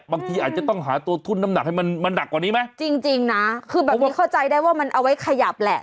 บางทีอาจจะต้องหาตัวทุ่นน้ำหนักให้มันมันหนักกว่านี้ไหมจริงจริงนะคือแบบนี้เข้าใจได้ว่ามันเอาไว้ขยับแหละ